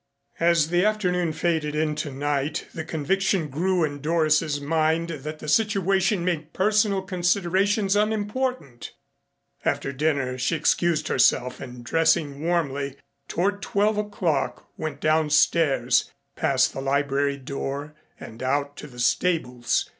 As the afternoon faded into night the conviction grew in Doris's mind that the situation made personal considerations unimportant. After dinner she excused herself and, dressing warmly, toward twelve o'clock went downstairs past the library door and out to the stables.